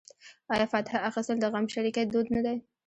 آیا فاتحه اخیستل د غمشریکۍ دود نه دی؟